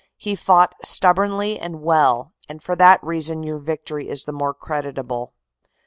He fought stubbornly and well, and for that reason your victory is the more creditable.